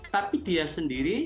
tapi dia sendiri